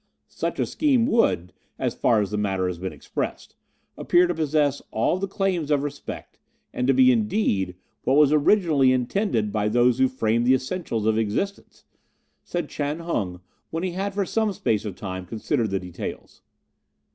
"'Such a scheme would, as far as the matter has been expressed, appear to possess all the claims of respect, and to be, indeed, what was originally intended by those who framed the essentials of existence,' said Chan Hung, when he had for some space of time considered the details.